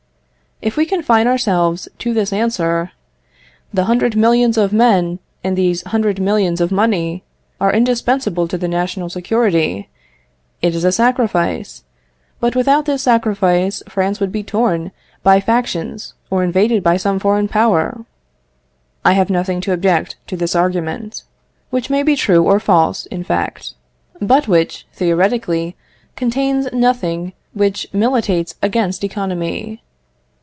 If we confine ourselves to this answer "The hundred millions of men, and these hundred millions of money, are indispensable to the national security: it is a sacrifice; but without this sacrifice, France would be torn by factions or invaded by some foreign power," I have nothing to object to this argument, which may be true or false in fact, but which theoretically contains nothing which militates against economy.